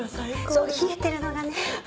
そう冷えてるのがね。